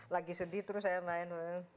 lagi sedih terus saya main